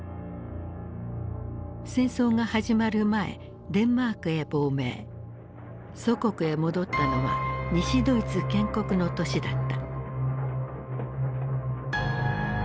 戦争が始まる前祖国へ戻ったのは西ドイツ建国の年だった。